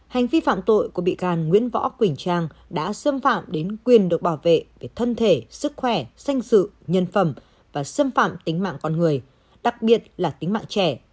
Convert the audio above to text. hành vi phạm tội của bị can nguyễn võ quỳnh trang đã xâm phạm đến quyền được bảo vệ về thân thể sức khỏe danh dự nhân phẩm và xâm phạm tính mạng con người đặc biệt là tính mạng trẻ